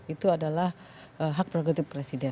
itu adalah hak prerogatif presiden